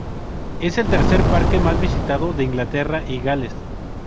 Es el tercer parque más visitado de Inglaterra y Gales.